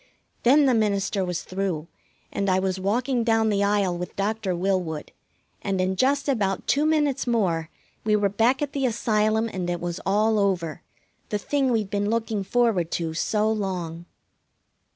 Then the minister was through, and I was walking down the aisle with Doctor Willwood, and in just about two minutes more we were back at the Asylum, and it was all over the thing we'd been looking forward to so long.